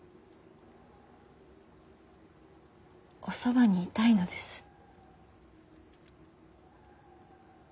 おそばにいたいのです。